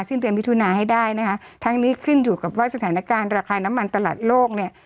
ซึ่งเตรียมมิถุนาให้ได้นะคะทั้งนี้ขึ้นอยู่กับว่าสถานการณ์ราคาน้ำมันตลาดโลกเนี่ย